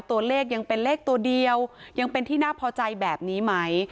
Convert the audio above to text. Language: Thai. ตัวเลขยังเป็นเลขตัวเดียวยังเป็นที่น่าพอใจแบบนี้ไหม